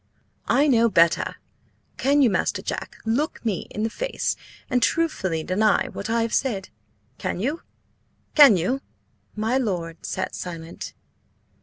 "I know better! Can you, Master Jack, look me in the face and truthfully deny what I have said? Can you? Can you?" My lord sat silent.